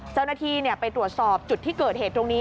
เจ้าหน้าที่ไปตรวจสอบจุดที่เกิดเหตุตรงนี้